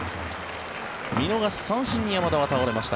見逃し三振に山田は倒れました。